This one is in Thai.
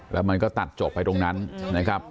แล้วมันก็ตัดจบไปตรงนั้นนะครับ